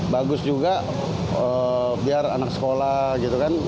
bagus juga biar anak sekolah gitu kan